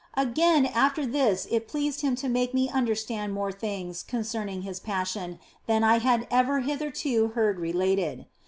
Again after this it pleased Him to make me under stand more things concerning His Passion than I had ever hitherto heard related.